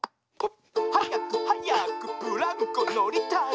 「はやくはやくブランコのりたい」